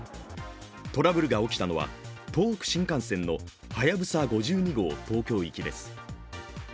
トラブルが起きたのは、東北新幹線の「はやぶさ５２」号東京行きです。